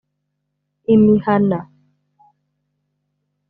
imihana